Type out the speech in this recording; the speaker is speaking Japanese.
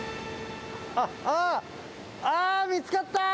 あっ、あーっ、見つかった。